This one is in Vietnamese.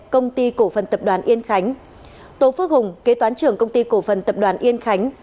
công ty cổ phần tập đoàn yên khánh tố phước hùng kế toán trưởng công ty cổ phần tập đoàn yên khánh